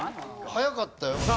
早かったよ。